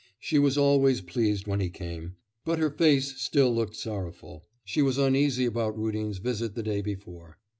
She was always pleased when he came; but her face still looked sorrowful. She was uneasy about Rudin's visit the day before.